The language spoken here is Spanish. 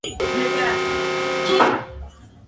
Avergonzado, Sherman le pide que se marche de su apartamento.